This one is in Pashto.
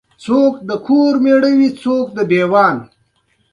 پلرنی، درناوی، ګټه، ورځ، ټاټوبی، کوم او ته کلمې دي.